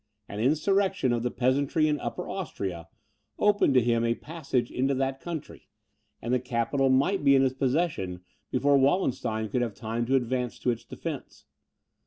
An insurrection of the peasantry in Upper Austria, opened to him a passage into that country, and the capital might be in his possession, before Wallenstein could have time to advance to its defence.